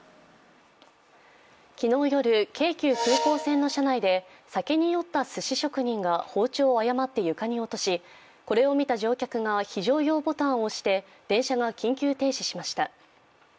昨日夜、京急空港線の車内で酒に酔ったすし職人が包丁を誤って床に落としこれを見た乗客が非常用ボタンを押して電車が緊急停止しました。